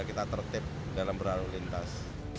biar kita tertip dalam berlalu lintas